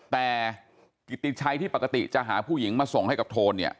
แต่กิติชัยที่ปกติจะหาผู้หญิงมาส่งให้กับโทนเนี่ย